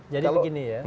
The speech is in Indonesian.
jadi begini ya